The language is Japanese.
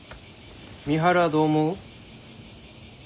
美晴はどう思う？